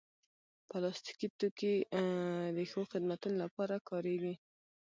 پلاستيکي توکي د ښو خدمتونو لپاره کارېږي.